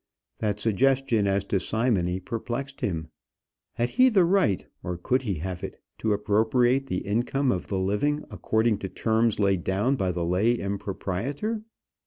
That suggestion as to simony perplexed him. Had he the right, or could he have it, to appropriate the income of the living according to terms laid down by the lay impropriator?